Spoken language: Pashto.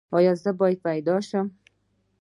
ایا زه باید پیدا شم؟